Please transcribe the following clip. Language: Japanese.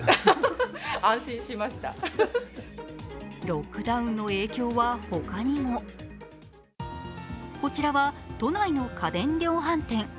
ロックダウンの影響は他にもこちらは都内の家電量販店。